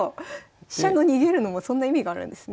飛車の逃げるのもそんな意味があるんですね。